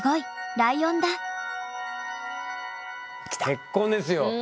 結婚ですよ。